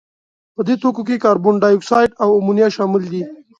په دې توکو کې کاربن دای اکساید او امونیا شامل دي.